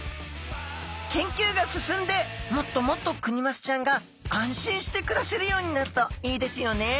研究が進んでもっともっとクニマスちゃんが安心して暮らせるようになるといいですよね。